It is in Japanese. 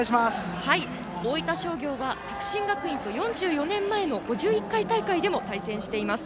大分商業は作新学院と４４年前の５１回大会でも対戦しています。